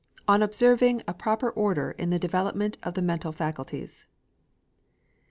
ON OBSERVING A PROPER ORDER IN THE DEVELOPMENT OF THE MENTAL FACULTIES.